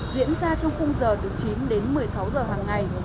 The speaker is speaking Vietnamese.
diễn ra trong khung giờ từ chín đến một mươi sáu giờ hàng ngày